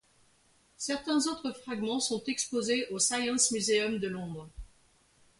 Certains autres fragments sont exposés au Science Museum de Londres.